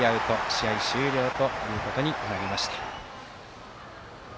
試合終了ということになりました。